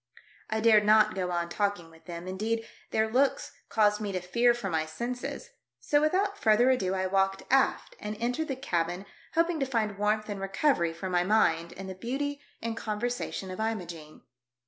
I dared not go on talk ing with them, indeed, their looks caused me to fear for my senses, so without further ado I walked aft and entered the cabin hoping to find warmth and recovery for my mind in the beauty and conversation of Imogene.